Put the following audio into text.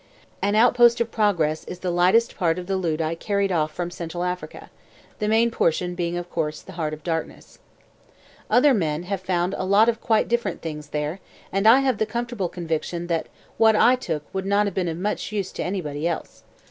An Outpost of Progress is the lightest part of the loot I carried off from Central Africa, the main portion being of course The Heart of Darkness. Other men have found a lot of quite different things there and I have the comfortable conviction that what I took would not have been of much use to anybody else.